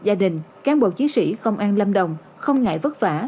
gia đình cán bộ chiến sĩ công an lâm đồng không ngại vất vả